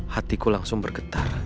hatiku langsung bergetar